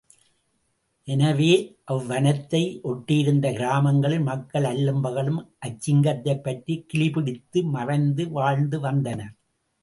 எனவே அவ்வனத்தை ஒட்டியிருந்த கிராமங்களில் மக்கள் அல்லும் பகலும் அச்சிங்கத்தைப்பற்றிக் கிலி பிடித்து மறைந்து வாழ்ந்து வந்தனர்.